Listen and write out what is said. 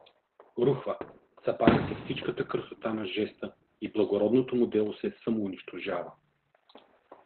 Рухва, събаря се всичката красота на жеста н благородното му дело се самоунищожава.